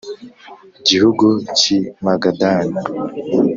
gihugu cy i Magadani